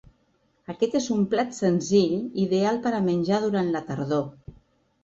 Aquest és un plat senzill ideal per a menjar durant la tardor.